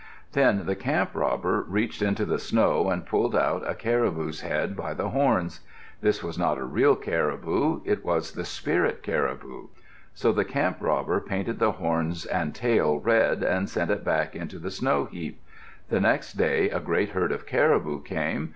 Then the camp robber reached into the snow and pulled out a caribou's head by the horns. This was not a real caribou; it was the spirit caribou. So the camp robber painted the horns and tail red and sent it back into the snow heap. The next day a great herd of caribou came.